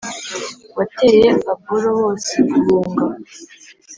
Wateye aboro bose guhunga